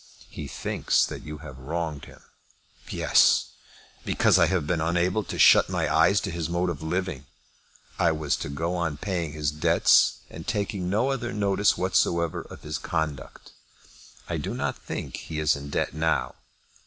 "He thinks that you have wronged him." "Yes; because I have been unable to shut my eyes to his mode of living. I was to go on paying his debts, and taking no other notice whatsoever of his conduct!" "I do not think he is in debt now."